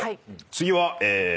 次はえ。